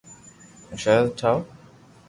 ھون ݾرٽ ٺاو